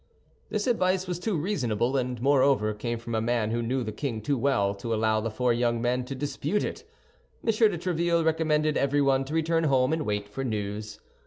This advice was too reasonable, and moreover came from a man who knew the king too well, to allow the four young men to dispute it. M. de Tréville recommended everyone to return home and wait for news.